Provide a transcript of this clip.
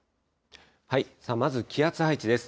まず気圧配置です。